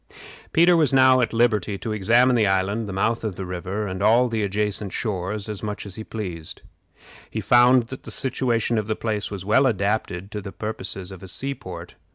Peter was now at liberty to examine the island, the mouth of the river, and all the adjacent shores, as much as he pleased. He found that the situation of the place was well adapted to the purposes of a sea port.